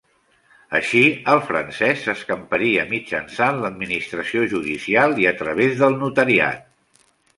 Així, el francès s'escamparia mitjançant l'administració judicial i a través del notariat.